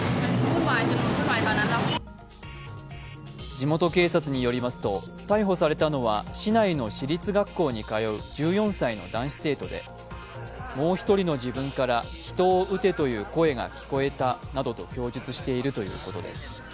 地元警察によりますと逮捕されたのは市内の私立学校に通う１４歳の男子生徒でもう１人の自分から、人を撃てという声が聞こえたなどと供述しているということです。